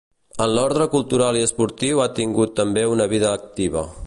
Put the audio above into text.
En l'ordre cultural i esportiu ha tingut també una vida activa.